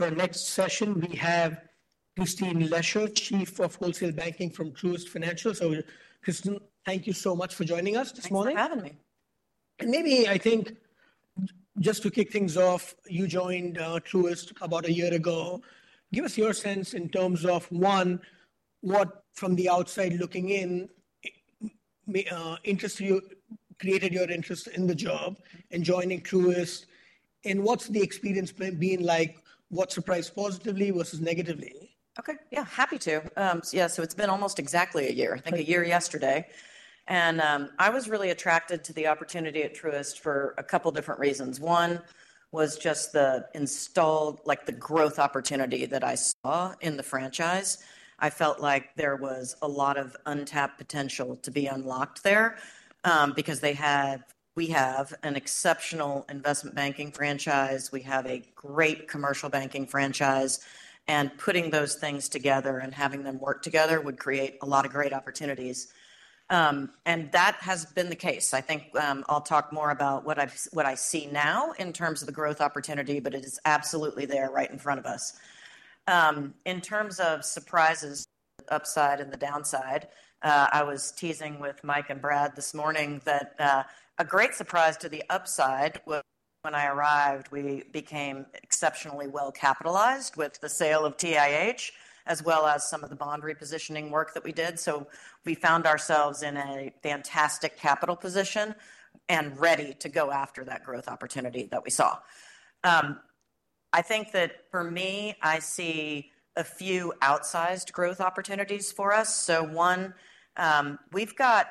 For our next session, we have Kristin Lesher, Chief of Wholesale Banking from Truist Financial so, Kristin thank you so much for joining us this morning. Thanks for having me. Maybe, I think, just to kick things off, you joined Truist about a year ago. Give us your sense in terms of, one, what, from the outside looking in, created your interest in the job and joining Truist, and what's the experience been like? What surprised positively versus negatively? Okay. Yeah, happy to. Yeah, so it's been almost exactly a year i think a year yesterday. And I was really attracted to the opportunity at Truist for a couple of different reasons, One was just the installed, like, the growth opportunity that I saw in the franchise. I felt like there was a lot of untapped potential to be unlocked there because they have—we have an exceptional investment banking franchise, We have a great commercial banking franchise. And putting those things together and having them work together would create a lot of great opportunities. And that has been the case i think I'll talk more about what I see now in terms of the growth opportunity, but it is absolutely there right in front of us. In terms of surprises, the upside and the downside, I was teasing with Mike and Brad this morning that a great surprise to the upside was, when I arrived, we became exceptionally well capitalized with the sale of TIH, as well as some of the bond repositioning work that we did so, we found ourselves in a fantastic capital position and ready to go after that growth opportunity that we saw. I think that for me, I see a few outsized growth opportunities for us so, one, we've got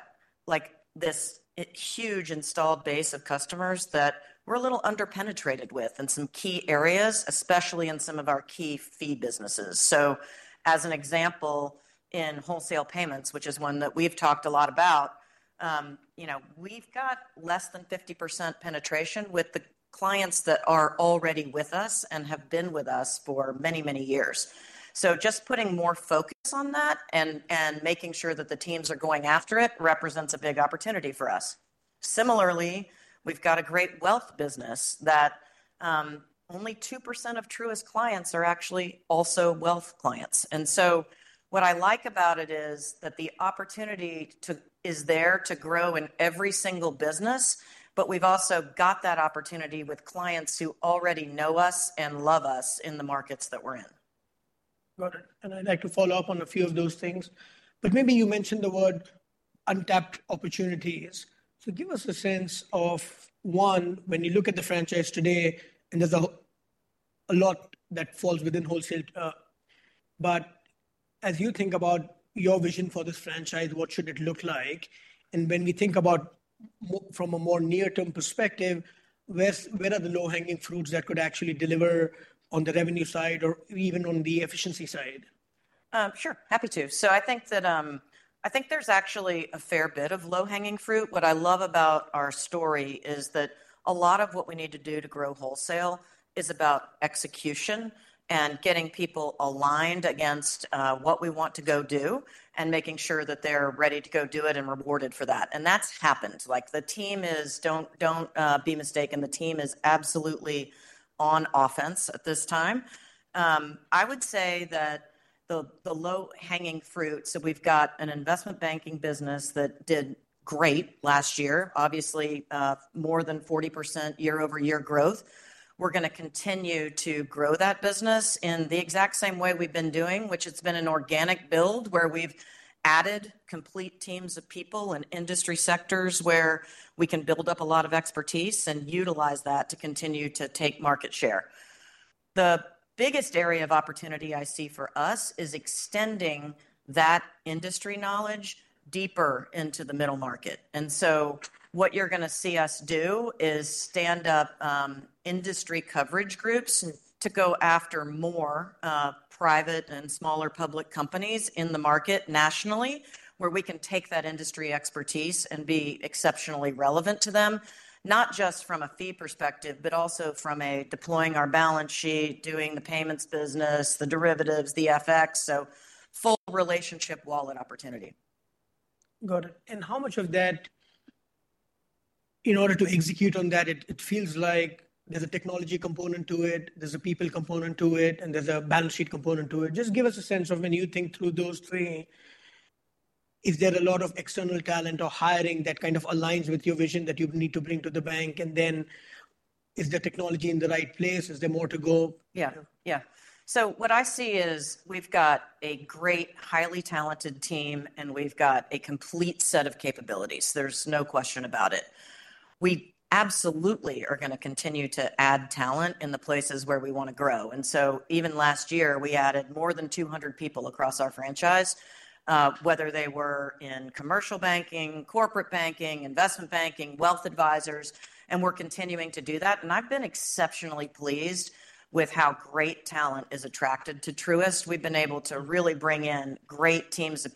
like this huge installed base of customers that we're a little underpenetrated with in some key areas, especially in some of our key fee businesses. So as an example, in wholesale payments, which is one that we've talked a lot about, you know, we've got less than 50% penetration with the clients that are already with us and have been with us for many, many years. So just putting more focus on that and making sure that the teams are going after it represents a big opportunity for us. Similarly, we've got a great wealth business that only 2% of Truist clients are actually also wealth clients and so, what I like about it is that the opportunity is there to grow in every single business, but we've also got that opportunity with clients who already know us and love us in the markets that we're in. Got it. And I'd like to follow up on a few of those things. But maybe you mentioned the word untapped opportunities. So give us a sense of, one, when you look at the franchise today, and there's a lot that falls within wholesale. But as you think about your vision for this franchise, what should it look like? And when we think about from a more near-term perspective, where are the low-hanging fruits that could actually deliver on the revenue side or even on the efficiency side? Sure happy to so, I think that I think there's actually a fair bit of low-hanging fruit what I love about our story is that a lot of what we need to do to grow wholesale is about execution and getting people aligned against what we want to go do, and making sure that they're ready to go do it and rewarded for that and that's happened like the team is don't be mistaken the team is absolutely on offense at this time. I would say that the low-hanging fruit so we've got an investment banking business that did great last year, obviously more than 40% year-over-year growth. We're going to continue to grow that business in the exact same way we've been doing, which has been an organic build where we've added complete teams of people and industry sectors where we can build up a lot of expertise and utilize that to continue to take market share. The biggest area of opportunity I see for us is extending that industry knowledge deeper into the middle market, and so what you're going to see us do is stand up industry coverage groups to go after more private and smaller public companies in the market nationally. Where we can take that industry expertise and be exceptionally relevant to them, not just from a fee perspective, but also from deploying our balance sheet, doing the payments business, the derivatives, the FX, so full relationship wallet opportunity. Got it. And how much of that, in order to execute on that, it feels like there's a technology component to it, there's a people component to it, and there's a balance sheet component to it just give us a sense of, when you think through those three, is there a lot of external talent or hiring that kind of aligns with your vision that you need to bring to the bank? And then is the technology in the right place? Is there more to go? Yeah. Yeah. So what I see is we've got a great, highly talented team, and we've got a complete set of capabilities there's no question about it. We absolutely are going to continue to add talent in the places where we want to grow and so even last year, we added more than 200 people across our franchise. Whether they were in commercial banking, corporate banking, investment banking, wealth advisors, and we're continuing to do that and I've been exceptionally pleased with how great talent is attracted to Truist. We've been able to really bring in great teams of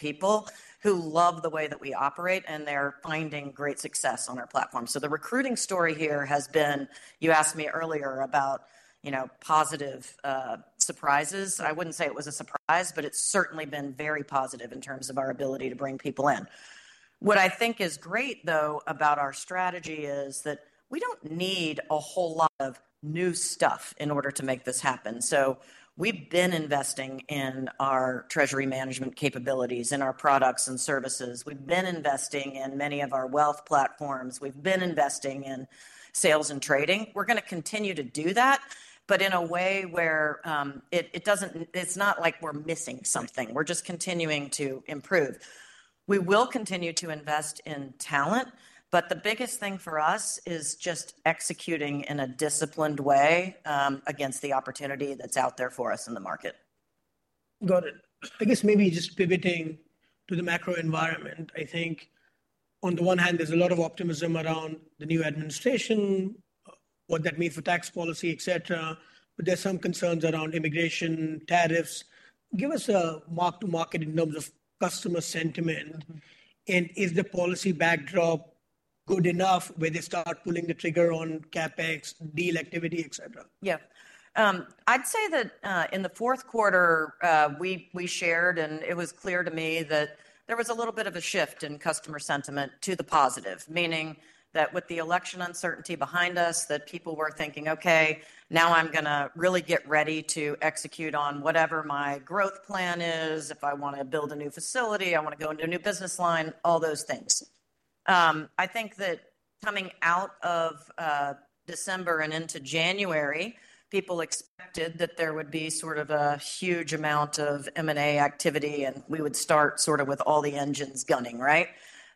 people. Who love the way that we operate, and they're finding great success on our platform so the recruiting story here has been—you asked me earlier about, you know, positive surprises i wouldn't say it was a surprise, but it's certainly been very positive in terms of our ability to bring people in. What I think is great, though, about our strategy is that we don't need a whole lot of new stuff in order to make this happen so, we've been investing in our treasury management capabilities, in our products and services, We've been investing in many of our wealth platforms, We've been investing in sales and trading. We're going to continue to do that. But in a way where it doesn't, it's not like we're missing something we're just continuing to improve. We will continue to invest in talent, but the biggest thing for us is just executing in a disciplined way against the opportunity that's out there for us in the market. Got it. I guess maybe just pivoting to the macro environment. I think on the one hand, there's a lot of optimism around the new administration, what that means for tax policy, et cetera, but there's some concerns around immigration, tariffs. Give us a mark-to-market in terms of customer sentiment. And is the policy backdrop good enough where they start pulling the trigger on CapEx, deal activity, et cetera? Yeah. I'd say that in the Q4, we shared, and it was clear to me that there was a little bit of a shift in customer sentiment to the positive, meaning that with the election uncertainty behind us, that people were thinking, "Okay, now I'm going to really get ready to execute on whatever my growth plan is, If I want to build a new facility, I want to go into a new business line," all those things. I think that coming out of December and into January, people expected that there would be sort of a huge amount of M&A activity, and we would start sort of with all the engines gunning, right?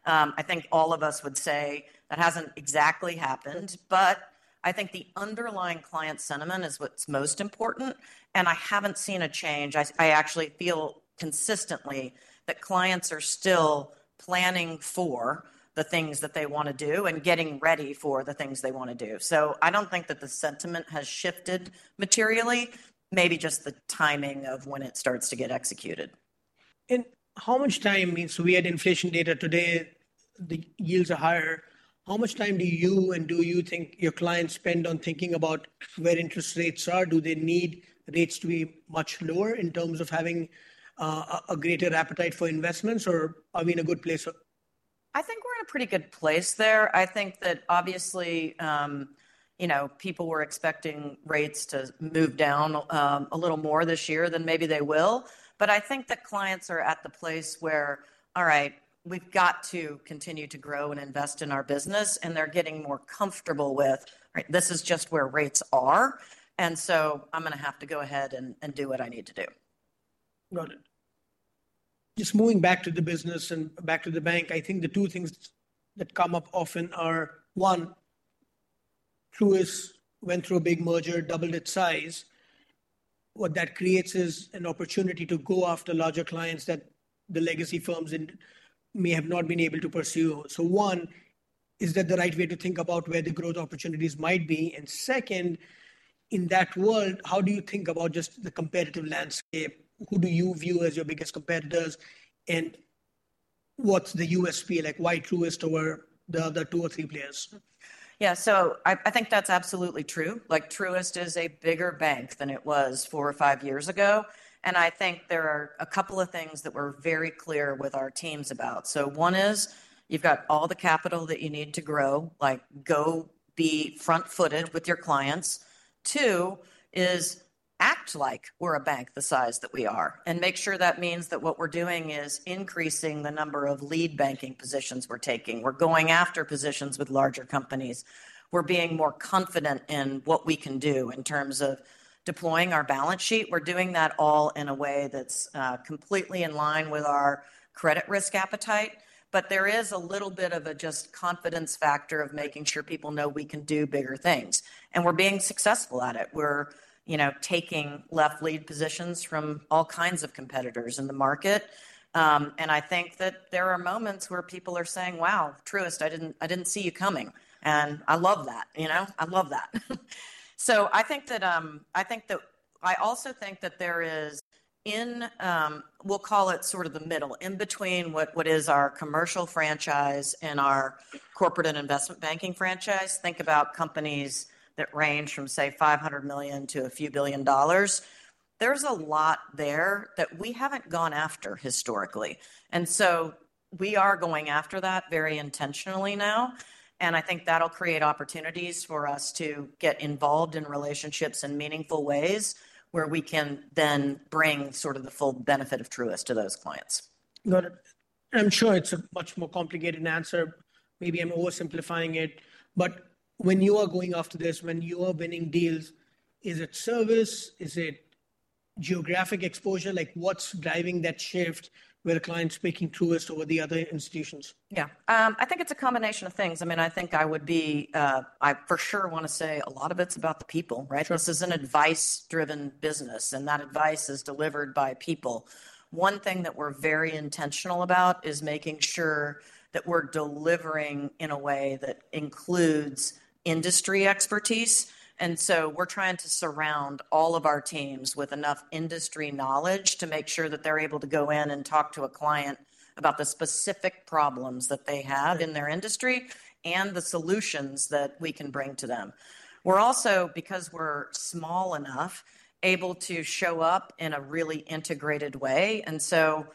I think all of us would say that hasn't exactly happened, but I think the underlying client sentiment is what's most important. And I haven't seen a change. I actually feel consistently that clients are still planning for the things that they want to do and getting ready for the things they want to do so, I don't think that the sentiment has shifted materially, maybe just the timing of when it starts to get executed. How much time, so we had inflation data today, the yields are higher. How much time do you think your clients spend on thinking about where interest rates are, Do they need rates to be much lower in terms of having a greater appetite for investments, or are we in a good place? I think we're in a pretty good place there, I think that obviously, you know, people were expecting rates to move down a little more this year than maybe they will. But I think that clients are at the place where, "All right, we've got to continue to grow and invest in our business," and they're getting more comfortable with, "This is just where rates are. And so I'm going to have to go ahead and do what I need to do. Got it. Just moving back to the business and back to the bank, I think the two things that come up often are, one, Truist went through a big merger, doubled its size. What that creates is an opportunity to go after larger clients that the legacy firms may have not been able to pursue so one, is that the right way to think about where the growth opportunities might be? And second, in that world, how do you think about just the competitive landscape? Who do you view as your biggest competitors? And what's the USP? Like, why Truist over the other two or three players? Yeah, so I think that's absolutely true. Like, Truist is a bigger bank than it was four or five years ago. And I think there are a couple of things that we're very clear with our teams about so one is, you've got all the capital that you need to grow, like go be front-footed with your clients. Two is act like we're a bank the size that we are. And make sure that means that what we're doing is increasing the number of lead banking positions we're taking we're going after positions with larger companies. We're being more confident in what we can do in terms of deploying our balance sheet, We're doing that all in a way that's completely in line with our credit risk appetite. But there is a little bit of a just confidence factor of making sure people know we can do bigger things. And we're being successful at it we're, you know, taking left-lead positions from all kinds of competitors in the market. And I think that there are moments where people are saying, "Wow, Truist, I didn't see you coming." And I love that, you know? I love that. So I also think that there is, in, we'll call it sort of the middle, in between what is our commercial franchise and our corporate and investment banking franchise. Think about companies that range from, say, $500 million to a few billion dollars. There's a lot there that we haven't gone after historically. And so we are going after that very intentionally now. And I think that'll create opportunities for us to get involved in relationships in meaningful ways where we can then bring sort of the full benefit of Truist to those clients. Got it. I'm sure it's a much more complicated answer. Maybe I'm oversimplifying it. But when you are going after this, when you are winning deals, is it service? Is it geographic exposure? Like, what's driving that shift where clients are picking Truist over the other institutions? Yeah. I think it's a combination of things. I mean, I for sure want to say a lot of it's about the people, right? This is an advice-driven business, and that advice is delivered by people. One thing that we're very intentional about is making sure that we're delivering in a way that includes industry expertise. And so we're trying to surround all of our teams with enough industry knowledge to make sure that they're able to go in and talk to a client about the specific problems that they have in their industry and the solutions that we can bring to them. We're also, because we're small enough, able to show up in a really integrated way and so,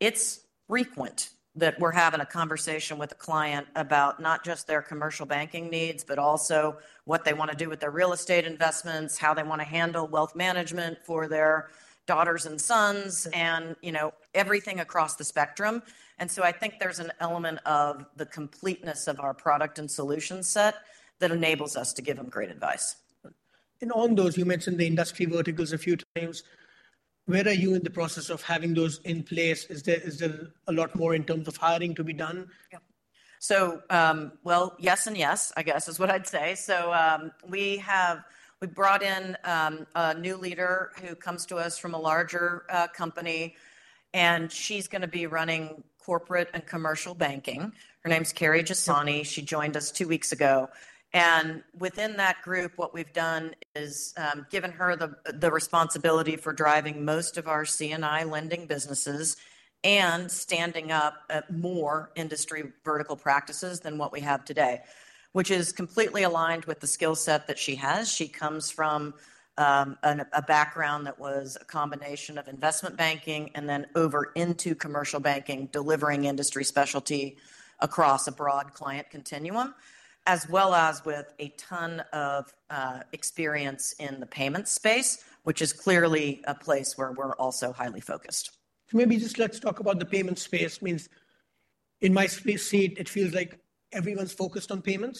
it's frequent that we're having a conversation with a client about not just their commercial banking needs, but also what they want to do with their real estate investments, how they want to handle wealth management for their daughters and sons, and, you know, everything across the spectrum. And so I think there's an element of the completeness of our product and solution set that enables us to give them great advice. On those, you mentioned the industry verticals a few times. Where are you in the process of having those in place? Is there a lot more in terms of hiring to be done? Yeah. So, well, yes and yes, I guess, is what I'd say. So we have, we brought in a new leader who comes to us from a larger company, and she's going to be running corporate and commercial banking. Her name's Kerry Jassani she joined us two weeks ago. And within that group, what we've done is given her the responsibility for driving most of our C&I lending businesses and standing up more industry vertical practices than what we have today. Which is completely aligned with the skill set that she has she comes from a background that was a combination of investment banking and then over into commercial banking, delivering industry specialty across a broad client continuum, as well as with a ton of experience in the payment space, which is clearly a place where we're also highly focused. So maybe just let's talk about the payment space i mean, in my space, it feels like everyone's focused on payments.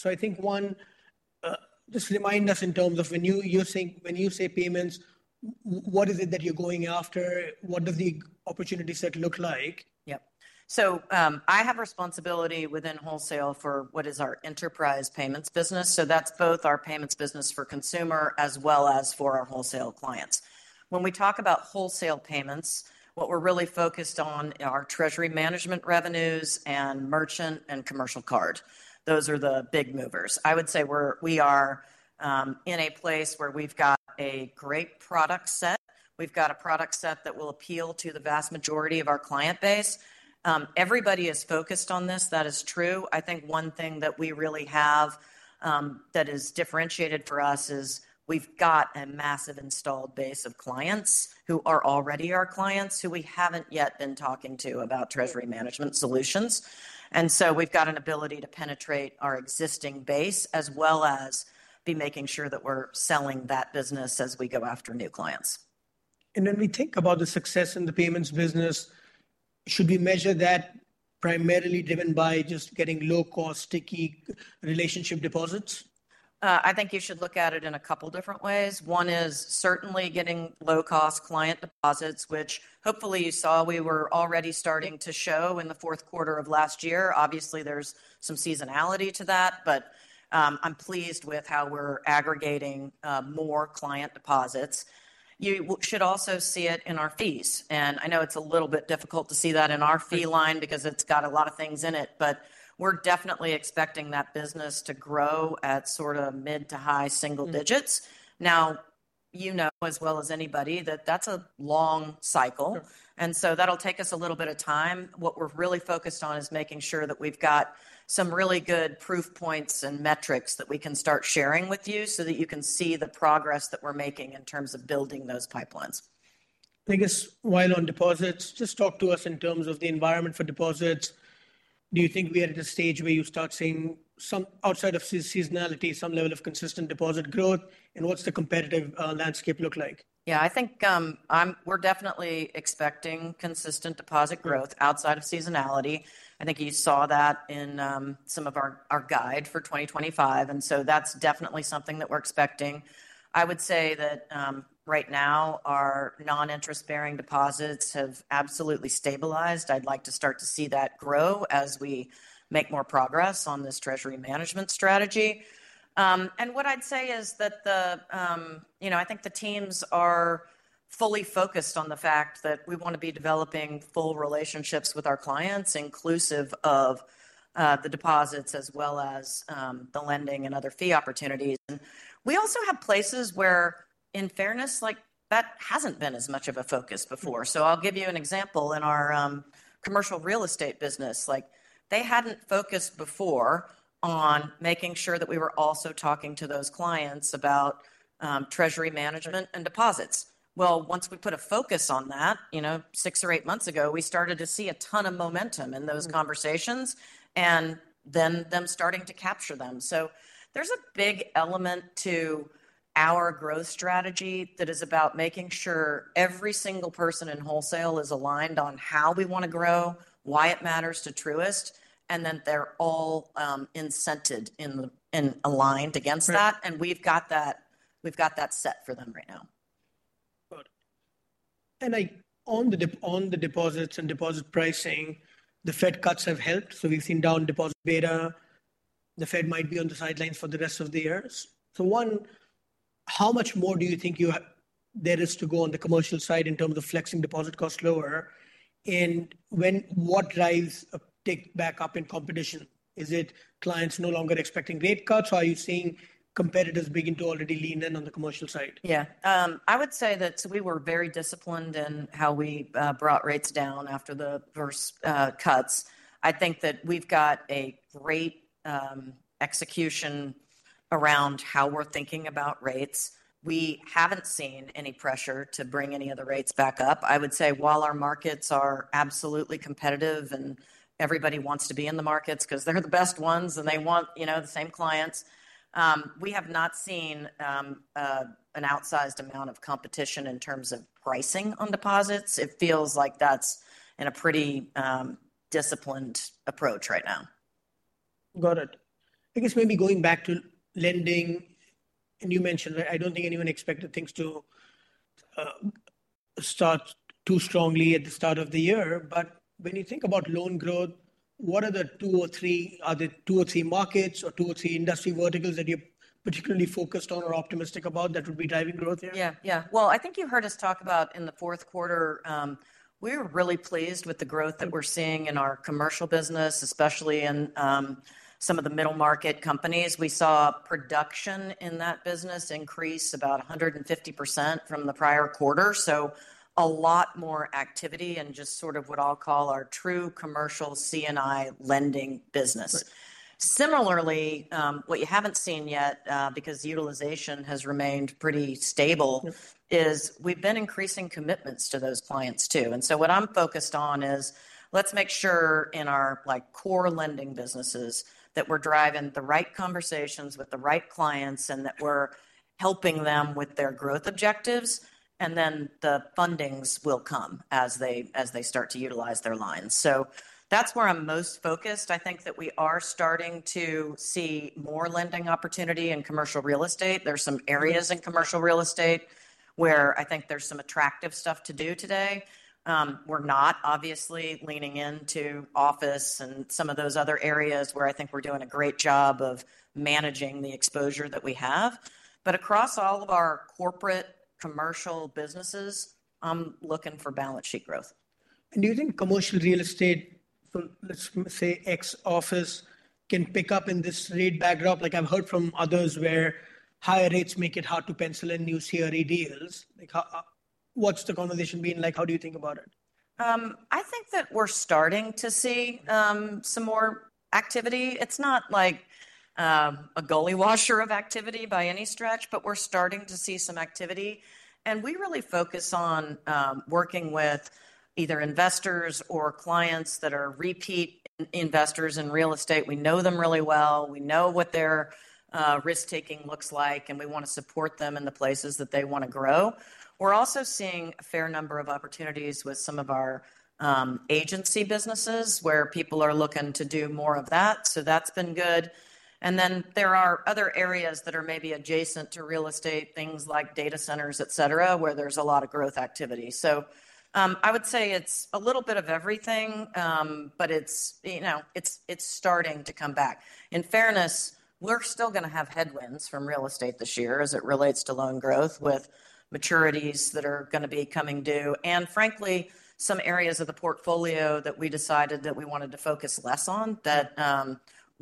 So I think one, just remind us in terms of when you say payments, what is it that you're going after? What does the opportunity set look like? Yep. So I have responsibility within wholesale for what is our enterprise payments business so that's both our payments business for consumer, as well as for our wholesale clients. When we talk about wholesale payments, what we're really focused on are treasury management revenues and merchant and commercial card. Those are the big movers i would say we are in a place where we've got a great product set. We've got a product set that will appeal to the vast majority of our client base. Everybody is focused on this that is true i think one thing that we really have that is differentiated for us is we've got a massive installed base of clients who are already our clients, who we haven't yet been talking to about treasury management solutions. And so we've got an ability to penetrate our existing base as well as be making sure that we're selling that business as we go after new clients. When we think about the success in the payments business, should we measure that primarily driven by just getting low-cost, sticky relationship deposits? I think you should look at it in a couple of different ways one is certainly getting low-cost client deposits, which hopefully you saw we were already starting to show in the Q4 of last year obviously, there's some seasonality to that, but I'm pleased with how we're aggregating more client deposits. You should also see it in our fees, and I know it's a little bit difficult to see that in our fee line because it's got a lot of things in it, but we're definitely expecting that business to grow at sort of mid to high single digits. Now, you know as well as anybody that that's a long cycle, and so that'll take us a little bit of time. What we're really focused on is making sure that we've got some really good proof points and metrics that we can start sharing with you so that you can see the progress that we're making in terms of building those pipelines. I guess while on deposits, just talk to us in terms of the environment for deposits. Do you think we are at a stage where you start seeing some outside of seasonality, some level of consistent deposit growth? And what's the competitive landscape look like? Yeah, I think we're definitely expecting consistent deposit growth outside of seasonality. I think you saw that in some of our guidance for 2025, and so that's definitely something that we're expecting. I would say that right now our non-interest-bearing deposits have absolutely stabilized i'd like to start to see that grow as we make more progress on this treasury management strategy. And what I'd say is that the, you know, I think the teams are fully focused on the fact that we want to be developing full relationships with our clients, inclusive of the deposits as well as the lending and other fee opportunities. And we also have places where, in fairness, like that hasn't been as much of a focus before, so I'll give you an example in our commercial real estate business like they hadn't focused before on making sure that we were also talking to those clients about treasury management and deposits. Well, once we put a focus on that, you know, six or eight months ago, we started to see a ton of momentum in those conversations and then them starting to capture them so, there's a big element to our growth strategy that is about making sure every single person in wholesale is aligned on how we want to grow, why it matters to Truist, and then they're all incented and aligned against that and we've got that set for them right now. Got it. And on the deposits and deposit pricing, the Fed cuts have helped. So we've seen down deposit data. The Fed might be on the sidelines for the rest of the year. So one, how much more do you think there is to go on the commercial side in terms of flexing deposit costs lower? And what drives a tick back up in competition? Is it clients no longer expecting rate cuts? Or are you seeing competitors begin to already lean in on the commercial side? Yeah. I would say that we were very disciplined in how we brought rates down after the first cuts. I think that we've got a great execution around how we're thinking about rates. We haven't seen any pressure to bring any of the rates back up i would say while our markets are absolutely competitive and everybody wants to be in the markets because they're the best ones and they want, you know, the same clients, we have not seen an outsized amount of competition in terms of pricing on deposits it feels like that's in a pretty disciplined approach right now. Got it. I guess maybe going back to lending, and you mentioned, I don't think anyone expected things to start too strongly at the start of the year but, when you think about loan growth, what are the two or three, are the two or three markets or two or three industry verticals that you're particularly focused on or optimistic about that would be driving growth here? Yeah, yeah I think you've heard us talk about in the Q4, we were really pleased with the growth that we're seeing in our commercial business, especially in some of the middle market companies we saw production in that business increase about 150% from the prior quarter so, A lot more activity and just sort of what I'll call our true commercial C&I lending business. Similarly, what you haven't seen yet, because utilization has remained pretty stable, is we've been increasing commitments to those clients too what I'm focused on is let's make sure in our core lending businesses that we're driving the right conversations with the right clients and that we're helping them with their growth objectives. Then the fundings will come as they start to utilize their lines. That's where I'm most focused i think that we are starting to see more lending opportunity in commercial real estate. there's some areas in commercial real estate where I think there's some attractive stuff to do today. We're not obviously leaning into office and some of those other areas where I think we're doing a great job of managing the exposure that we have. But across all of our corporate commercial businesses, I'm looking for balance sheet growth. Do you think commercial real estate, so let's say ex-office, can pick up in this rate backdrop? Like I've heard from others where higher rates make it hard to pencil in new CRE deals. What's the conversation been like? How do you think about it? I think that we're starting to see some more activity it's not like, a gully washer of activity by any stretch, but we're starting to see some activity. And we really focus on working with either investors or clients that are repeat investors in real estate we know them really well, We know what their risk-taking looks like, and we want to support them in the places that they want to grow. We're also seeing a fair number of opportunities with some of our agency businesses where people are looking to do more of that so that's been good. And then there are other areas that are maybe adjacent to real estate, things like data centers, etc., where there's a lot of growth activity so, I would say it's a little bit of everything, but it's, you know, it's starting to come back. In fairness, we're still going to have headwinds from real estate this year as it relates to loan growth with maturities that are going to be coming due and frankly, some areas of the portfolio that we decided that we wanted to focus less on, that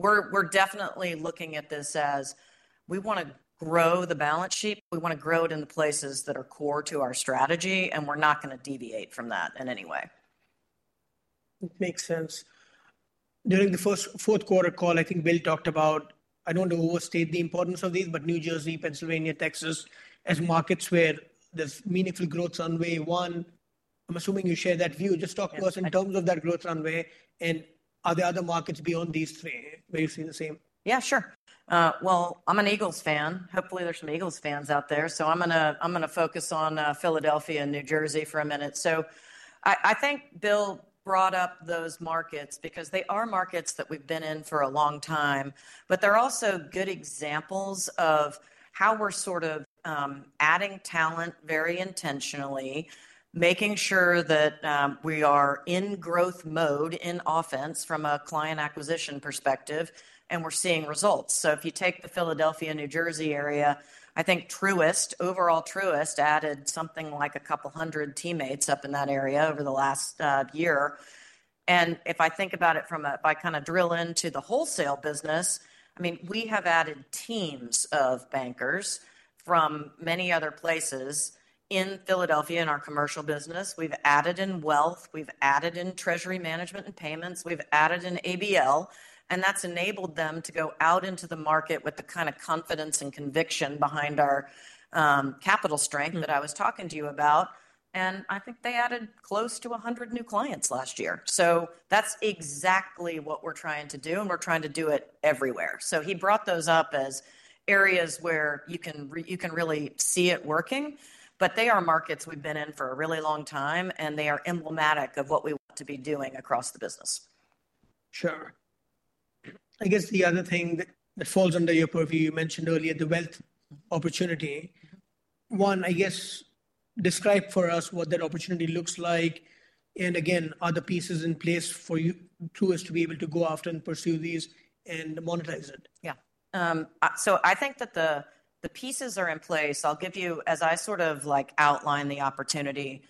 we're definitely looking at this as we want to grow the balance sheet we want to grow it in the places that are core to our strategy, and we're not going to deviate from that in any way. It makes sense. During the Q4 call, I think Bill talked about, I don't want to overstate the importance of these, but New Jersey, Pennsylvania, Texas as markets where there's meaningful growth runway. One, I'm assuming you share that view. Just talk to us in terms of that growth runway. And are there other markets beyond these three where you see the same? Yeah, sure. Well, I'm an Eagles fan. Hopefully there's some Eagles fans out there so I'm going to focus on Philadelphia and New Jersey for a minute so, I think Bill brought up those markets because they are markets that we've been in for a long time, but they're also good examples of how we're sort of adding talent very intentionally. Making sure that we are in growth mode in offense from a client acquisition perspective, and we're seeing results so, if you take the Philadelphia, New Jersey area, I think Truist, overall Truist, added something like a couple hundred teammates up in that area over the last year. And if I think about it from a, if I kind of drill into the wholesale business. I mean, we have added teams of bankers from many other places in Philadelphia in our commercial business we've added in wealth, We've added in treasury management and payments, We've added in ABL, and that's enabled them to go out into the market with the kind of confidence and conviction behind our capital strength that I was talking to you about. And I think they added close to 100 new clients last year, so that's exactly what we're trying to do, and we're trying to do it everywhere, so he brought those up as areas where you can really see it working, but they are markets we've been in for a really long time, and they are emblematic of what we want to be doing across the business. Sure. I guess the other thing that falls under your purview, you mentioned earlier the wealth opportunity. One, I guess describe for us what that opportunity looks like. And again, are the pieces in place for you to be able to go after and pursue these and monetize it? Yeah. So I think that the pieces are in place. I'll give you, as I sort of like outline the opportunity,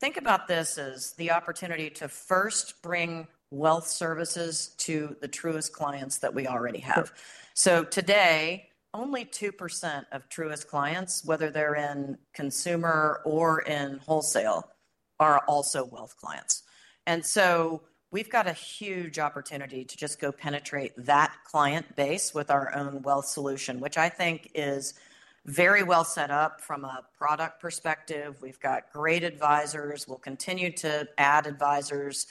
think about this as the opportunity to first bring wealth services to the Truist clients that we already have. So today, only 2% of Truist clients, whether they're in consumer or in wholesale, are also wealth clients. And so we've got a huge opportunity to just go penetrate that client base with our own wealth solution, which I think is very well set up from a product perspective we've got great advisors, We'll continue to add advisors.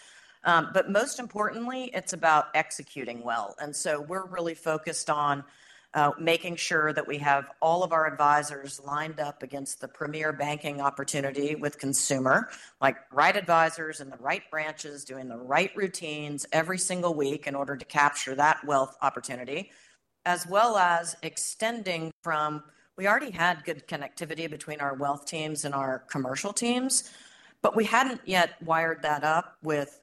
But most importantly, it's about executing well. We're really focused on making sure that we have all of our advisors lined up against the Premier banking opportunity with consumer, like right advisors in the right branches doing the right routines every single week in order to capture that wealth opportunity, as well as extending from. We already had good connectivity between our wealth teams and our commercial teams. But we hadn't yet wired that up with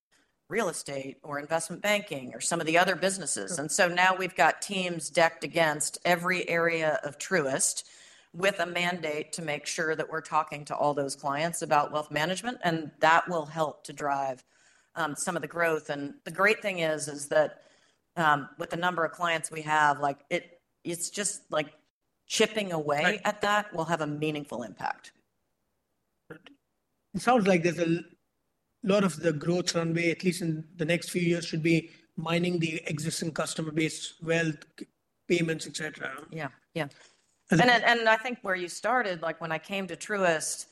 real estate or investment banking or some of the other businesses. Now we've got teams dedicated to every area of Truist with a mandate to make sure that we're talking to all those clients about wealth management, and that will help to drive some of the growth. The great thing is that with the number of clients we have, like it's just like chipping away at that, we'll have a meaningful impact. It sounds like there's a lot of the growth runway, at least in the next few years, should be mining the existing customer base, wealth, payments, etc. Yeah, yeah. And I think where you started, like when I came to Truist,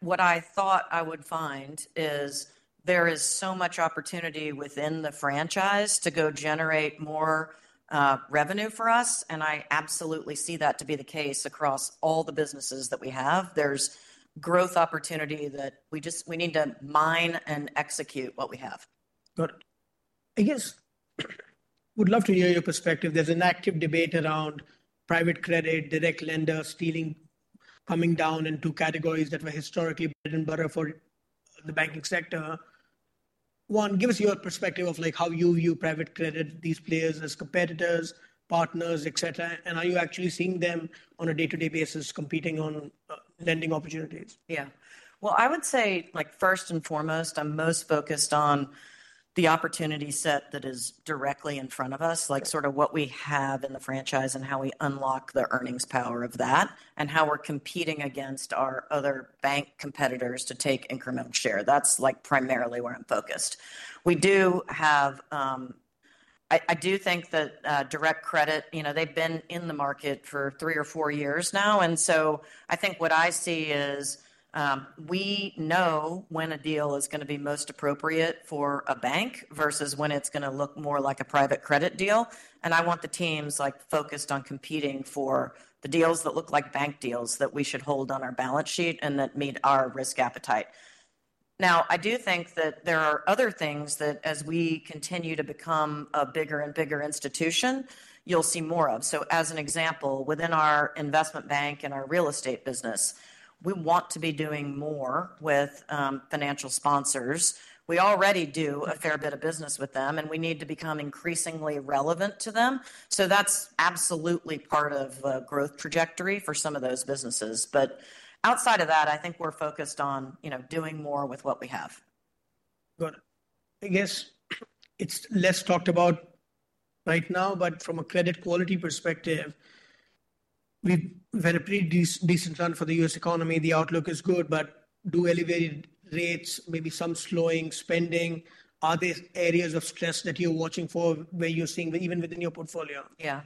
what I thought I would find is there is so much opportunity within the franchise to go generate more revenue for us, And I absolutely see that to be the case across all the businesses that we have there's growth opportunity that we just, we need to mine and execute what we have. Got it. I guess would love to hear your perspective there's an active debate around private credit, direct lending stealing, coming down into categories that were historically bread and butter for the banking sector. One, give us your perspective of like how you view private credit, these players as competitors, partners, etc. And are you actually seeing them on a day-to-day basis competing on lending opportunities? Yeah. Well, I would say like first and foremost, I'm most focused on the opportunity set that is directly in front of us, like sort of what we have in the franchise and how we unlock the earnings power of that and how we're competing against our other bank competitors to take incremental share that's like primarily where I'm focused. We do have. I do think that direct credit, you know, they've been in the market for three or four years now. And so I think what I see is we know when a deal is going to be most appropriate for a bank versus when it's going to look more like a private credit deal. And I want the teams like focused on competing for the deals that look like bank deals that we should hold on our balance sheet and that meet our risk appetite. Now, I do think that there are other things that as we continue to become a bigger and bigger institution, you'll see more of so as an example, within our investment bank and our real estate business, we want to be doing more with financial sponsors. We already do a fair bit of business with them, and we need to become increasingly relevant to them. So that's absolutely part of the growth trajectory for some of those businesses but, outside of that, I think we're focused on, you know, doing more with what we have. Got it. I guess it's less talked about right now, but from a credit quality perspective, we've had a pretty decent run for the U.S. economy the outlook is good, but do elevated rates, maybe some slowing spending. Are there areas of stress that you're watching for where you're seeing even within your portfolio? Yeah.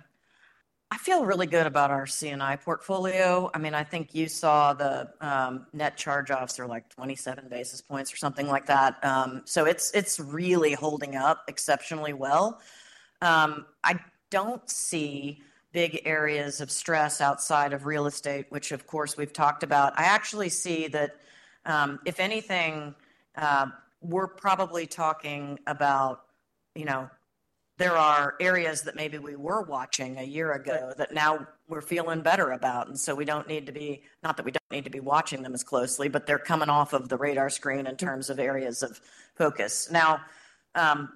I feel really good about our C&I portfolio. I mean, I think you saw the net charge-offs are like 27 basis points or something like that. So it's really holding up exceptionally well. I don't see big areas of stress outside of real estate, which of course we've talked about i actually see that if anything. We're probably talking about, you know, there are areas that maybe we were watching a year ago that now we're feeling better about and so we don't need to be, not that we don't need to be watching them as closely, but they're coming off of the radar screen in terms of areas of focus now,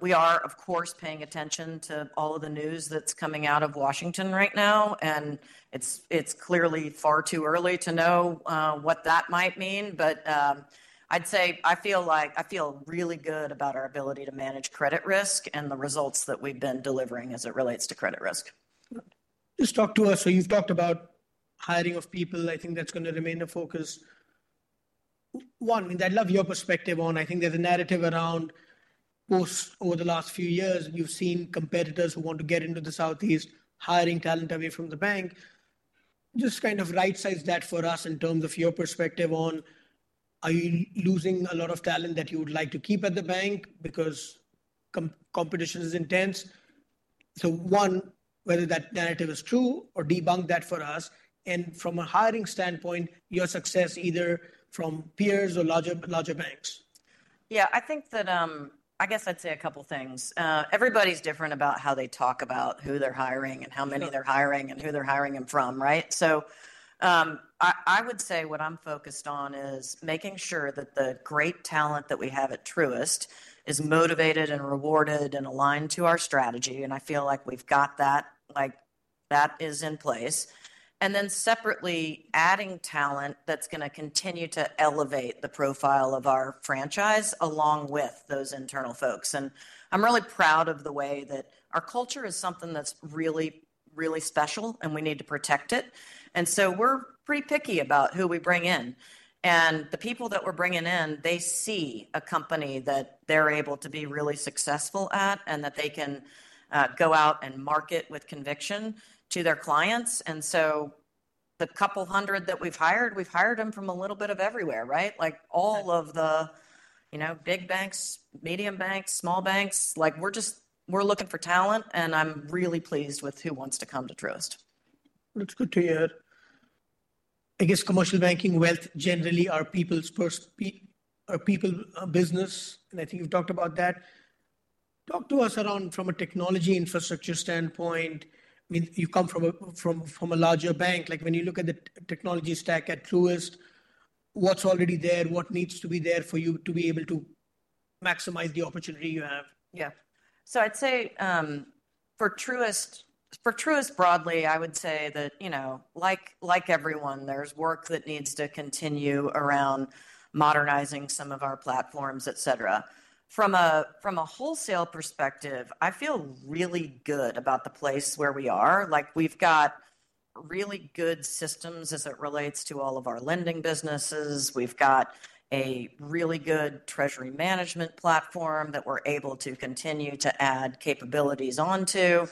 we are of course paying attention to all of the news that's coming out of Washington right now, and it's clearly far too early to know what that might mean. But I'd say I feel like, I feel really good about our ability to manage credit risk and the results that we've been delivering as it relates to credit risk. Just talk to us. So you've talked about hiring of people i think that's going to remain a focus. One, I love your perspective on i think there's a narrative around over the last few years. You've seen competitors who want to get into the Southeast, hiring talent away from the bank. Just kind of right-size that for us in terms of your perspective on, are you losing a lot of talent that you would like to keep at the bank because competition is intense. So one, whether that narrative is true or debunk that for us. And from a hiring standpoint, your success either from peers or larger banks. Yeah, I think that, I guess I'd say a couple of things. Everybody's different about how they talk about who they're hiring and how many they're hiring and who they're hiring them from, right? So I would say what I'm focused on is making sure that the great talent that we have at Truist is motivated and rewarded and aligned to our strategy and I feel like we've got that, like that is in place. And then separately adding talent that's going to continue to elevate the profile of our franchise along with those internal folks. And I'm really proud of the way that our culture is something that's really, really special and we need to protect it. And so we're pretty picky about who we bring in. The people that we're bringing in see a company that they're able to be really successful at and that they can go out and market with conviction to their clients. The couple hundred that we've hired, we've hired them from a little bit of everywhere, right? Like all of the, you know, big banks, medium banks, small banks, like we're just, we're looking for talent and I'm really pleased with who wants to come to Truist. That's good to hear. I guess commercial banking wealth generally are people's business. And I think you've talked about that. Talk to us around from a technology infrastructure standpoint. I mean, you come from a larger bank like when you look at the technology stack at Truist, what's already there, what needs to be there for you to be able to maximize the opportunity you have? Yeah. So I'd say for Truist, for Truist broadly, I would say that, you know, like everyone, there's work that needs to continue around modernizing some of our platforms, etc. From a wholesale perspective, I feel really good about the place where we are like we've got really good systems as it relates to all of our lending businesses. We've got a really good treasury management platform that we're able to continue to add capabilities onto.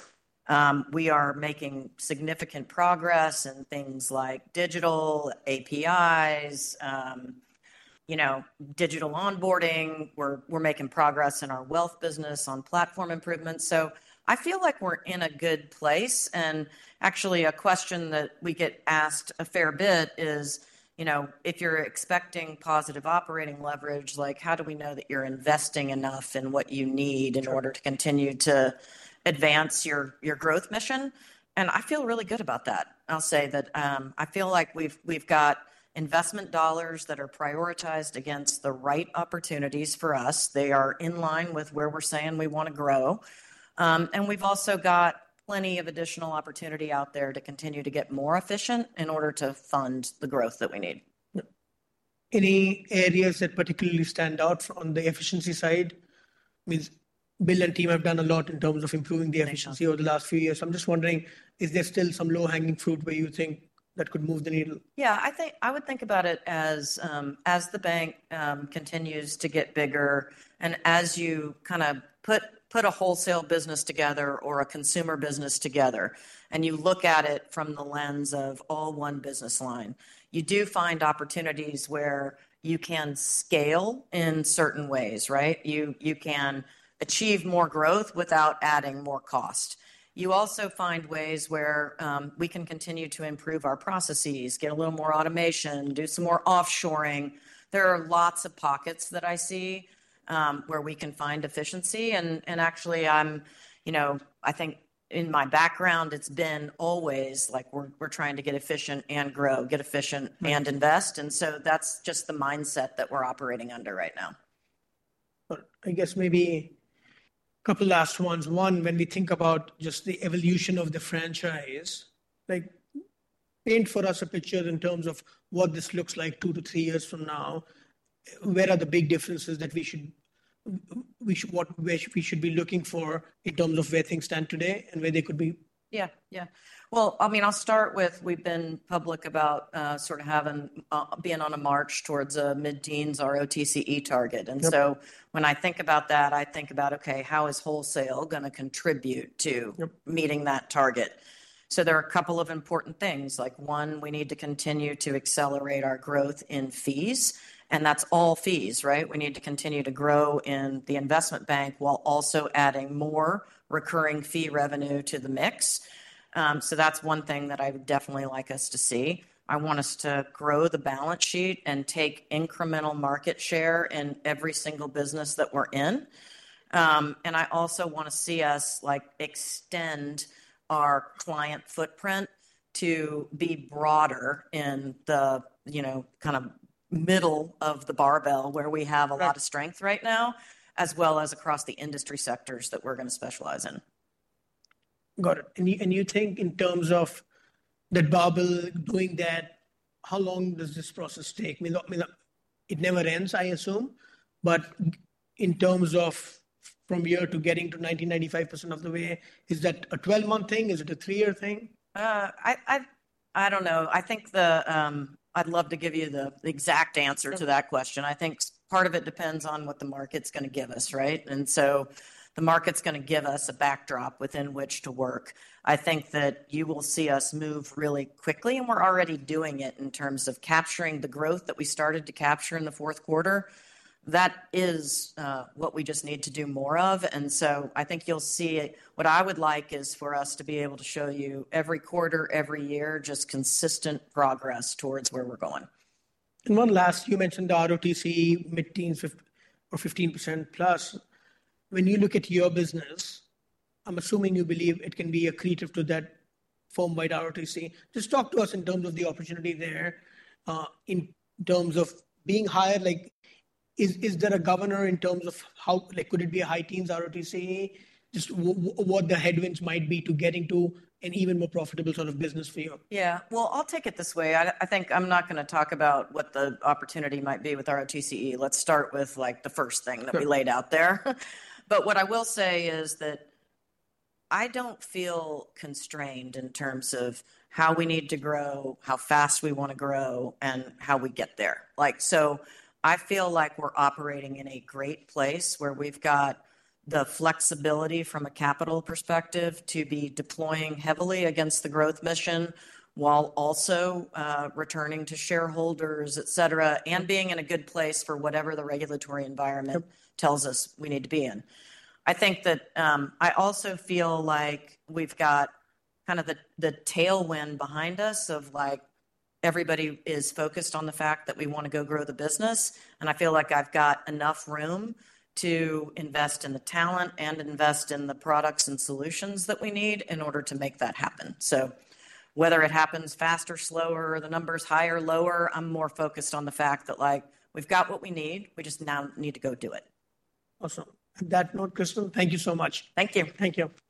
We are making significant progress in things like digital APIs, you know, digital onboarding we're making progress in our wealth business on platform improvements so, I feel like we're in a good place. And actually a question that we get asked a fair bit is, you know, if you're expecting positive operating leverage, like how do we know that you're investing enough in what you need in order to continue to advance your growth mission? And I feel really good about that. I'll say that I feel like we've got investment dollars that are prioritized against the right opportunities for us they are in line with where we're saying we want to grow. And we've also got plenty of additional opportunity out there to continue to get more efficient in order to fund the growth that we need. Any areas that particularly stand out on the efficiency side? I mean, Bill and team have done a lot in terms of improving the efficiency over the last few years. I'm just wondering, is there still some low-hanging fruit where you think that could move the needle? Yeah, I think I would think about it as the bank continues to get bigger and as you kind of put a wholesale business together or a consumer business together and you look at it from the lens of all one business line, you do find opportunities where you can scale in certain ways, right? You can achieve more growth without adding more cost. You also find ways where we can continue to improve our processes, get a little more automation, do some more offshoring. There are lots of pockets that I see where we can find efficiency, And actually, I'm, you know, I think in my background, it's been always like we're trying to get efficient and grow, get efficient and invest and so that's just the mindset that we're operating under right now. I guess maybe a couple last ones, One, when we think about just the evolution of the franchise, like paint for us a picture in terms of what this looks like two to three years from now, where are the big differences that we should what we should be looking for in terms of where things stand today and where they could be? Yeah, yeah. Well, I mean, I'll start with, we've been public about sort of having been on a march towards a mid-teens ROTCE target and so, when I think about that, I think about, okay, how is wholesale going to contribute to meeting that target. So there are a couple of important things like one, we need to continue to accelerate our growth in fees. And that's all fees, right? We need to continue to grow in the investment bank while also adding more recurring fee revenue to the mix. So that's one thing that I would definitely like us to see. I want us to grow the balance sheet and take incremental market share in every single business that we're in. I also want to see us like extend our client footprint to be broader in the, you know, kind of middle of the barbell where we have a lot of strength right now, as well as across the industry sectors that we're going to specialize in. Got it. And you think in terms of the barbell doing that, how long does this process take? It never ends, I assume. But in terms of from year to getting to 95% of the way, is that a 12-month thing? Is it a three-year thing? I don't know i think, I'd love to give you the exact answer to that question i think part of it depends on what the market's going to give us, right? And so the market's going to give us a backdrop within which to work. I think that you will see us move really quickly and we're already doing it in terms of capturing the growth that we started to capture in the Q4. That is what we just need to do more of, And so I think you'll see what I would like is for us to be able to show you every quarter, every year, just consistent progress towards where we're going. One last, you mentioned the ROTCE mid-teens or 15% plus. When you look at your business, I'm assuming you believe it can be accretive to that form of the ROTCE. Just talk to us in terms of the opportunity there in terms of being acquired like, is there a governor in terms of how, like, could it be a high-teens ROTCE? Just what the headwinds might be to getting to an even more profitable sort of business for you. Yeah. Well, I'll take it this way i think I'm not going to talk about what the opportunity might be with ROTCE let's start with like the first thing that we laid out there. But what I will say is that I don't feel constrained in terms of how we need to grow, how fast we want to grow, and how we get there like so, I feel like we're operating in a great place where we've got the flexibility from a capital perspective to be deploying heavily against the growth mission. While also returning to shareholders, etc., and being in a good place for whatever the regulatory environment tells us we need to be in. I think that I also feel like we've got kind of the tailwind behind us of like everybody is focused on the fact that we want to go grow the business. I feel like I've got enough room to invest in the talent and invest in the products and solutions that we need in order to make that happen. Whether it happens faster or slower, the numbers higher, lower, I'm more focused on the fact that like we've got what we need. We just now need to go do it. Awesome. That note, Crystal, thank you so much. Thank you. Thank you.